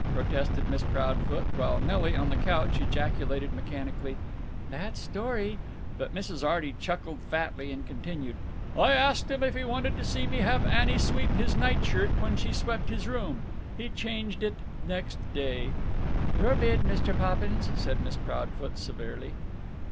protested Miss Proudfoot, while Nelly, on the couch, ejaculated mechanically, "That story!" but Mrs. Arty chuckled fatly, and continued: "I asked him if he wanted me to have Annie sweep his nightshirt when she swept his room. He changed it next day." "Your bid, Mr. Poppins, "said Miss Proudfoot, severely.